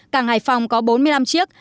cảng hải phòng có bốn mươi năm chiếc